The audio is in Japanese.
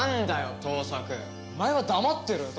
お前は黙ってろよ